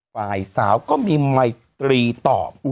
ฝ่ายสาวก็มีไมค์๓ต่อ